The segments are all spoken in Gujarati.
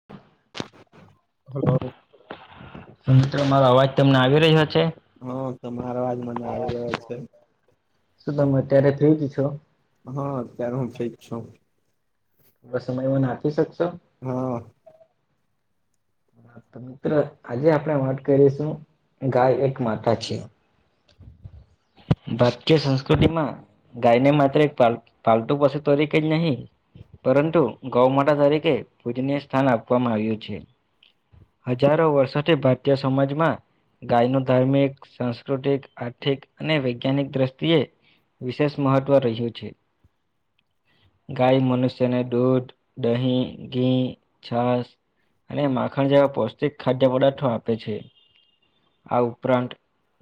[unintelligible] હલો મિત્રો મારો અવાજ તમને આવી રહ્યો છે. હા તમારો અવાજ મને આવી રહ્યો છે. શુ તમે મે અત્યારે થઈ જી છું. હા અત્યારે હું ઠીક છું સમયમાં નાખી શકશો હા મિત્ર આજે આપણેે વાત કરીશું ગાય એક માતા છે. [inaudible] ભારતીય સંસ્કૃતિ માં ગાય ને માત્ર એક પાલતુ પશુ તરીકે જ નહી પરંતુ ગૌમાતા તરીકે પૂજનીય સ્થાન આપવામાં આવ્યું છે. હજારો વર્ષોથી ભારતીય સમાજમાં ગાય ને ધાર્મિક સાંસ્કૃતિક આર્થિક અને વૈજ્ઞાનિક દ્રષ્ટિએ વિશેષ મહત્વ રજૂ છે. ગાય મનુષ્યને દૂધ દહીં ઘી છાસ અને માખણ જેવા પૌષ્ટિક ખાધ પદાર્થો આપે છે આ ઉપરાંત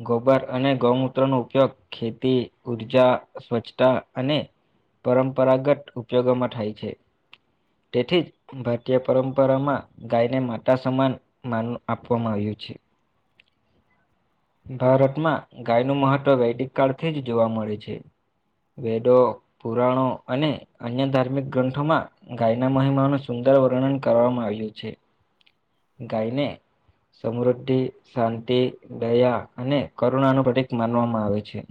ગોબર અને ગૌમૂત્ર ન ઉપયોગ ખેતી ઊર્જા સ્વચ્છતા અને પરંપરાગત ઉપયોગોમાં થાય છે. તેથી જ ભારતીય પરંપરામાં ગાયને માતા સમાન માન આપવામાં આવ્યું. ભારતમાં ગાયનું મહત્વ વૈદિક કાળથી જ જોવા મળે છે વેદો પુરાણો અને અન્ય ધાર્મિક ગ્રંથોમાં ગાયના મહિમાનું સુંદર વર્ણન કરવામાં આવ્યું છે. ગાઈને સમૃદ્ધિ શાંતિ દયા અને કરુણા નું પ્રતિક માનવામાં આવે છે.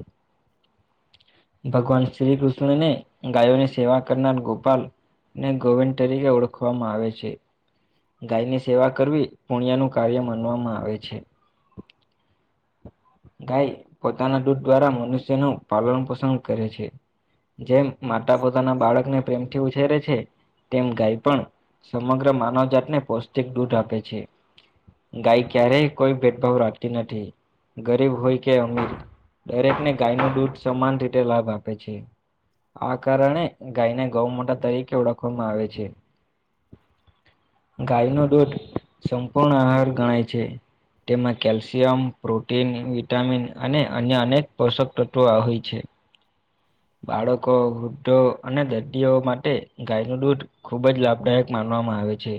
ભગવાન શ્રી કૃષ્ણને ગાયોની સેવા કરનાર ગોપાલ ને ગોવિંદ તરીકે ઓળખવામાં આવે છે. ગાય ની સેવા કરવી પુણ્ય નું કાર્ય માનવામાં આવે છે. ગાય પોતાના દૂધ દ્વારા મનુષ્યનું પાલન પોષણ કરે છે જેમ માતા પોતાના બાળકને પ્રેમથી ઉછેરે છે તેમ ગાય પણ સમગ્ર માનવ જાતને પૌષ્ટિક દૂધ આપે છે. ગાય ક્યારેય કોઈ ભેદભાવ રાખતી નથી. ગરીબ હોય કે અમીર દરેકને ગાયનુ દૂધ સમાન રીતે લાભ આપે છે. આ કારણે ગાયને ગૌમાતા તરીકે ઓળખવામાં આવે છે. ગાયનો દૂધ સંપૂર્ણ આહાર ગણાય છે તેમાં કેલ્શિયમ પ્રો ટીન વિટામિન અને અન્ય અનેક પોષક તત્વો આવે છે. બાળકો વૃદ્ધો અને દર્દીઓ માટે ગાયનુ દૂધ ખુબ જ લાભદાયક માનવામાં આવે છે.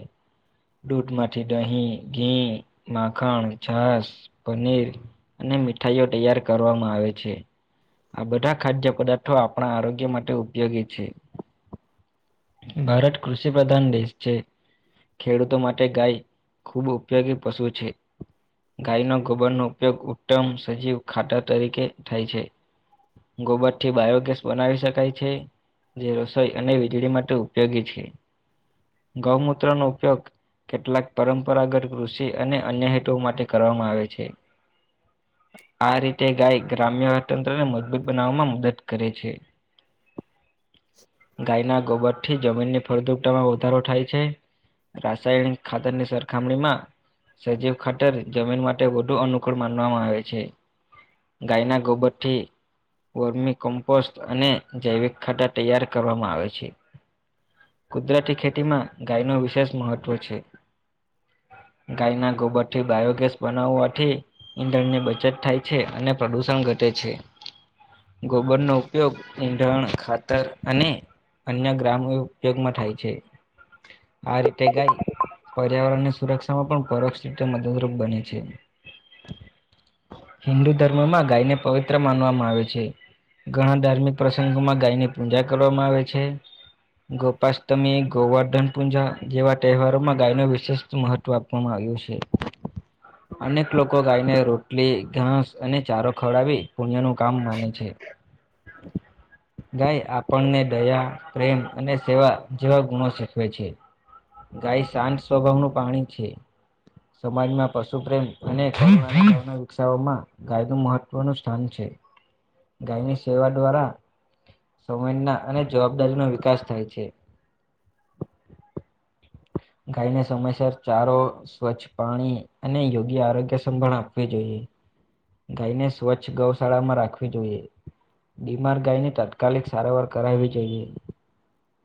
દૂધમાંથી દહીં ઘી માખણ છાસ પનીર અને મીઠાઈઓ તૈયાર કરવામાં આવે છે. આ બધા ખાદ્ય પદાર્થો આપણા આરોગ્ય માટે ઉપયોગી છે. ભારત કૃષિ પ્રધાન દેશ છે. ખેડૂતો માટે ગાય ખૂબ ઉપયોગી પશુ છે ગાયનો ગોબરનો ઉપયોગ ઉત્તમ સજીવ ખાતર તરીકે થાય છે. ગોબરથી બાયોગેસ બનાવી શકાય છે. જે રસોઈ અને વીજળી માટે ઉપયોગી છે ગૌમૂત્રનો ઉપયોગ કેટલાક પરંપરાગત કૃષિ અને અન્ય હેતુઓ માટે કરવામાં આવે છે. આ રીતે ગાય ગ્રામ્ય અર્થતંત્રને મજબૂત બનાવવામાં મદદ કરે છે. ગાયના ગોબરથી જમીનની ફળદ્રુપતા વધારો થાય છે. રાસાયણિક ખાતરની સરખામણીમાં સજીવ ખાતર જમીન માટે વધુ અનુ કુળ માનવામાં આવે છે ગાયના ગોબરથી વર્મી કોમ્પોસ્ટ અને જૈવિક ખાતર તૈયાર કરવામાં આવે છે. કુદરતી ખેતીમાં ગાયનું વિશેષ મહત્વ છે. ગાયના ગોબરથી બાયોગેસ બનાવવાથી ઈંધણની બચત થાય છે અને પ્રદૂષણ ઘટે છે. ગોબરનો ઉપયોગ ઈંધણ ખાતર અને અન્ય ગ્રામ્ય ઉપયોગમાં થાય છે. આ રીતે ગાય પર્યાવરણની સુરક્ષામાં પણ પરોક્ષ રીતે મદદરૂપ બને છે. હિન્દુ ધર્મમાં ગાયને પવિત્ર માનવામાં આવે છે. ઘણા ધાર્મિક પ્રસંગોમાં ગાયની પૂજા કરવામાં આવે છે. ગોપાષ્ટમી ગોવર્ધન પૂજા જેવા તહેવારોમાં ગાયનું વિશેષ મહત્વ આપ વામાં આવ્યુ છે અને લોકો ગાયને રોટલી ઘાસ અને ચારો ખવડાવી પુણ્યનું કામ માને છે. [inaudible] ગાય આપણને દયા, પ્રેમ અને સેવા જેવા ગુણો શીખવે છે. ગાય શાંત સ્વભાવનું પાણી છે સમાજમાં પશુ પ્રેમ અને [inaudible] વિકસાવવામાં ગાય મહત્વનું સ્થાન છે. ગાયની સેવા દ્વારા સમયના અને જવાબદારીનો વિકાસ થાય છે. ગાયને સમયસર ચારો સ્વચ્છ પાણી અને યોગ્ય આરોગ્ય સંભાળ આપવી જોઈએ. ગાયને સ્વચ્છ ગવ શાળામાં રાખવી જોઈએ. બીમાર ગાયને તાત્કાલિક સારવાર કરાવવી જોઈએ.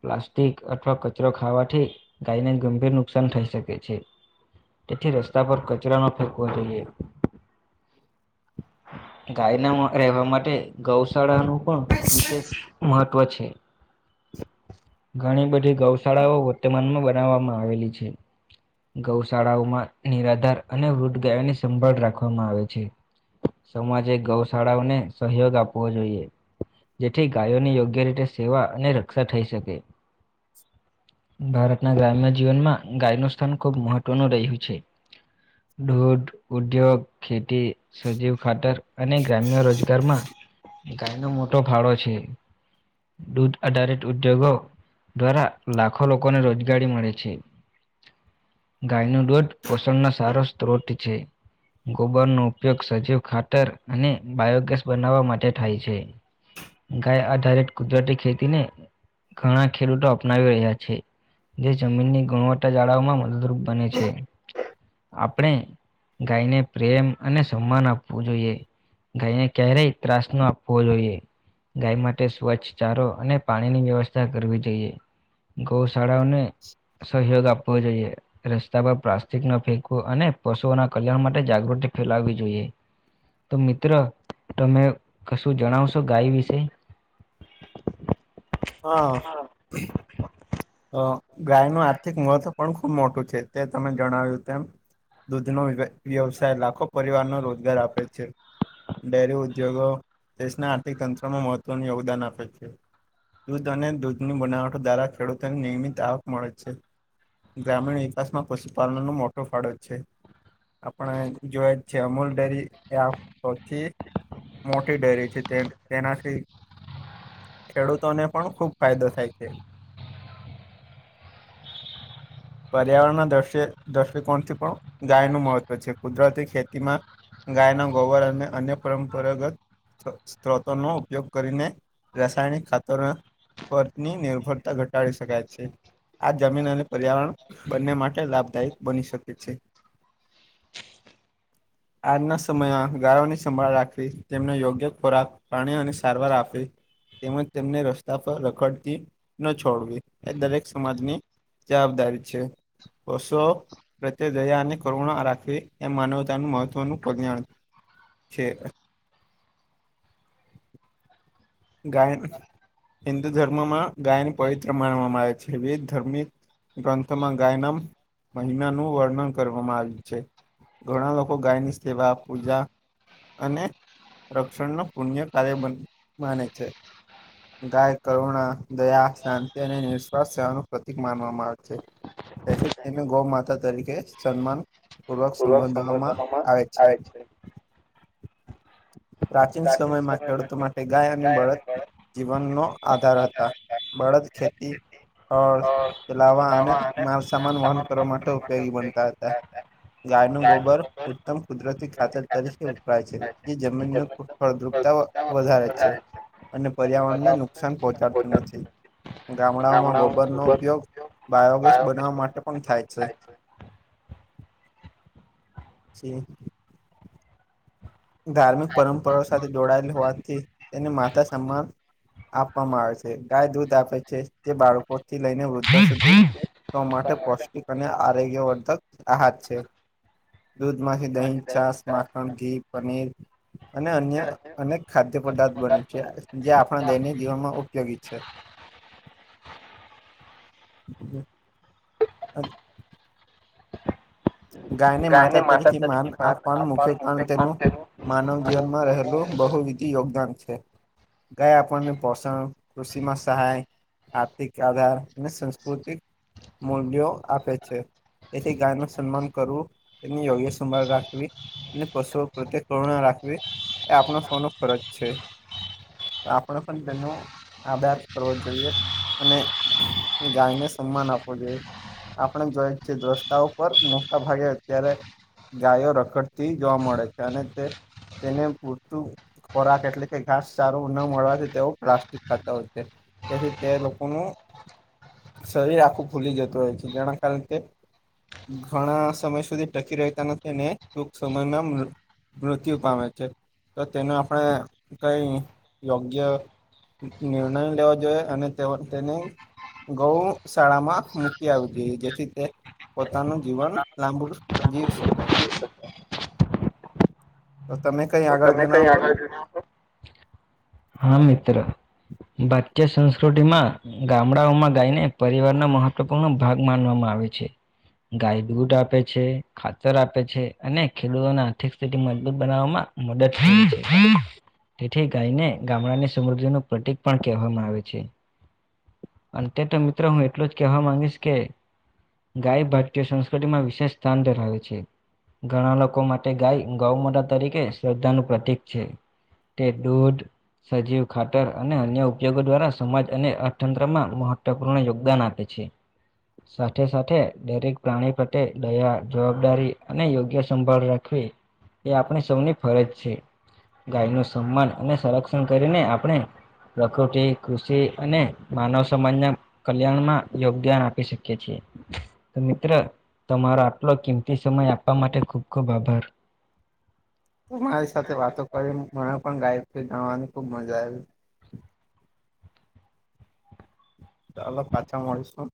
પ્લાસ્ટિક અથવા કચરો ખાવાથી ગાયને ગંભીર નુકસાન થઈ શકે છે. તેથી રસ્તા પર કચરો ના ફેકવો જોઈએ. ગાયના રહેવા માટે ગૌશાળા નું પણ વિશેષ મહત્ત્વ છે ઘણી બધી ગૌશાળાઓ વર્તમાનમાં બનાવવામાં આવે. આવેલી છે. ગૌશાળાઓમાં નિરાધાર અને વૃદધ ગાયો ની સંભાળ રાખવામાં આવે છે. સમાજે ગૌશાળાઓને સહયોગ આપવો જોઈએ. જેથી ગાયોની યોગ્ય રીતે સેવા અને રક્ષા થઈ શકે [inaudible] ભારતના ગ્રામ્ય જીવનમાં ગાય નું સ્થાન ખુબ મહત્વનું રહ્યું છે. દૂધ ઉદ્યોગ ખેતી સજીવ ખાતર અને ગ્રામ્ય રોજગારમાં ગાયનો મોટો ફાળો છે. દૂધ આધારિત ઉદ્યોગો દ્વારા લાખો લોકોને રોજગારી મળે. છે ગાયનું દૂધ પોષણનો સારો સ્ત્રોત છે. ગોબરનો ઉપયોગ સજીવ ખાતર અને બાયોગેસ બનાવવા માટે થાય છે. ગાય આધરેક કુદરતી ખેતીને ઘણા ખેડૂતો અપનાવી રહ્યા છે. જે જમીનની ગુણવતા જાળવામાં મદદરૂપ બને છે. આપણે ગાયને પ્રેમ અને સમ્માન આપવું જોઈએ. ગાઈને ક્યારેય ત્રાસ ન આપવો જોઈએ. ગાય માટે સ્વચ્છ ચારો અને પાણીની વ્યવસ્થા કરવી જોઈએ. ગૌશાળાઓ ને. [inaudible] સહયોગ આપવો જોઈએ. રસ્તા પર પ્લાસ્ટિક ન ફેંકવું અને પશુઓના કલ્યાણ માટે જાગૃતિ ફેલાવી જોઈએ. તો મિત્ર તમે કશું જણાવશો ગાય વિશે? હા. અ ગાયનું આર્થિક મહત્વ પણ ખુબ મોટું છે તે તમે જણાવ્યું તેમ. દૂધ નો વ્ય વ્યવસાય લાખો પરિવાર નો રોજગાર આપે છે. ડેરી ઉદ્યોગો દેશના આર્થિક તંત્રમાં મહત્વનું યોગદાન આપે છે. દૂધ અને દૂધની બનાવટો દ્વારા ખેડૂતોને નિયમિત આવક મળે છે. ગ્રામીણ વિકાસમાં પશુપાલન નો મોટો ફાળો છે. આપણે જોયા જ છે અમૂલ ડેરી એ આ પરથી. મોટી ડેરી છે તેમ તેનાથી. ખેડૂતોને પણ ખુબ ફાયદો થાય છે. પર્યાવરણના દ્રશ્ય દ્રષ્ટિકોણથી પણ ગાયનું મહત્વ છે કુદરતી ખેતીમાં. ગાયના ગોબર અને અન્ય પરંપરગત. સ્ત્રોતો નો ઉપયોગ કરીને રાસાયણિક ખાતર. પરની નિર્ભરતા ઘટાડી શકાય છે. આ જમીન અને પર્યાવરણ બંને માટે લાભદાયક બની શકે છે. [inaudible] આજના સમયમાં ગાયોની સંભાળ રાખવી તેમને યોગ્ય ખોરાક. પાણી અને સારવાર આપે તેમજ તેમને રસ્તા પર રખડતી ન છો. ડવી એ દરેક સમાજની જવાબદારી છે ઓસો પ્રત્યે દયા અને કરુણા રાખવી એ માનવતાનું મહત્વનું કલ્યાણ છે. ગાયન હિન્દુ ધર્મમાં ગાયન પવિત્ર માનવામાં આવે છે વિવિધ ધર્મિ ગ્રંથમ ગાયના મહિનાનું વર્ણન કરવામાં આવ્યું છે. ઘણા લોકો ગાયની સેવા પૂજા અને રક્ષણનો પુણ્ય કાર્ય માને છે. ગાય કરુણા, દયા, શાંતિ અને નિસ્વાર્થ સેવાનું પ્રતિક માનવામાં આવે છે. તેથી તેને ગૌ માતા તરીકે સન્માન પૂર્વક સંબોધવામાં આવે છે. પ્રાચીન સમયમાં ખેડૂતો માટે ગાય અને બળદ જીવનનો આધાર હતા. બળદ ખેતી ઇ અ લાવા અને માલસામાન વહન કરવા માટે ઉપયોગી બનતા હતા. ગાયનું ગોબર ઉત્તમ કુદરતી ખાતર તરીકે વપરાય છે. જમીનનું ફ ફળદ્રુપતા વધારે છે. અને પર્યાવરણને નુકસાન પહોંચાડતું નથી ગામડાઓમાં ગોબરનો ઉપયોગ બાયોગેસ બનાવવા માટે પણ થાય છે. છે. ધાર્મિક પરંપરાઓ સાથે જોડાયેલી હોવાથી તેને માતા સમાન આપવામાં આવે છે ગાય દૂધ આપે છે જે બાળકોથી લઈને વૃદ્ધો સુધી ધો માટે પૌષ્ટિક અને આરોગ્યવર્ધક આહાત છે. દૂધ, માખી, દહીં, છાસ, માખણ, ઘી, પનીર અને અન્ય અનેક ખાદ્ય પદાર્થ બને છે જે આપણા દૈનિક જીવનમાં ઉપયોગી છે. [inaudible] જીતી ગયા. અને. ગાયને માતા તરીકે માન આપવાનું મુખ્ય કારણ તેનું માનવ જીવનમાં રહેલો બહુવીધી યોગદાન છે. ગાય આપણને પોષણ કૃષિમાં સહાય આર્થિક આધાર અને સંસ્કૃતિક મૂડયો આપે છે તેથી ગાયનું સન્માન કરવું તેની યોગ્ય સંભાળ રાખવી અને પશુઓ પ્રત્યે કરુણા રાખવી એ આપનો સવનો ફરજ છે. આપણે પણ તેનો આદર કરવો જોઈએ અને ગાયને સન્માન આપવો જોઈએ આપણે જોય જ છે દ્રષ્ટાવ પર મોટા ભાગે અત્યારે ગાયો રખડતી જોવા મળે છે અને તે તેને પૂરતું ખોરાક એટલે કે ઘાસ સારું ન મળવાથી તેઓ પ્લાસ્ટિક ખાતા હોય છે. તેથી તે લોકોનું શરીર આખું ફૂલી જતું હોય છે જેના કારણે તે ઘણા સમય સુધી ટકી રહેતા નથી ને ટૂંક સમયમાં મૃ મૃત્યુ પામે છે તો તેને આપણે કઈ યોગ્ય નિર્ણય લેવા જોઇએ અને તેઓ તેનુ ગઉ શાળામાં મૂકી આવું જોઈએ જેથી તે પોતાનું જીવન લાંબુ જીવી શકે. તો તમે કઈ આગળ જણાવશો. હા મિત્ર ભારતીય સંસ્કૃતિમાં ગામડાઓમાં ગાયને પરિવારના મહત્વપૂર્ણ ભાગ માનવામાં આવે છે. ગાય દૂધ આપે છે, ખાતર આપે છે અને ખેડૂતોને આર્થિક સ્થિતિ મજબૂત બનાવવામાં મદદ [inaudible] તેથી ગાયને ગામડાની સમૃદ્ધિનું પ્રતીક પણ કહેવામાં આવે છે. અંતે તો મિત્રો હું એટલું જ કેવા માંગીશ કે ગાય ભારતીય સંસ્કૃતિમાં વિશેષ સ્થાન ધરાવે છે. ઘણા લોકો માટે ગાય ગૌ મોટા તરીકે શ્રદ્ધાનું પ્રતીક છે. તે ડૂધ સજીવ ખાતર અને અન્ય ઉપયોગો દ્વારા સમાજ અને અર્થતંત્રમાં મહત્વપૂર્ણ યોગદાન આપે છે. સાથે સાથે દરેક પ્રાણી પ્રત્યે દયા જવાબદારી અને યોગ્ય સંભાળ રાખવી એ આપણી સૌની ફરજ છે, ગાયનું સન્માન અને સંરક્ષણ કરીને આપણે પ્રકૃતિ કૃષિ અને માનવ સમાજના કલ્યાણમાં યોગદાન આપી શકીએ છીએ, તો મિત્ર તમારો આટલો કિંમતી સમય આપવા માટે ખુબ ખુબ આભાર. તમારી સાથે વાતો કરીન મને પણ ગાય વિશે જાણવાની ખુબ મજા આવી. ચાલો પાછા મળીશું.